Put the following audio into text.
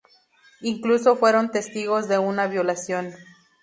Incluso fueron testigos de una violación.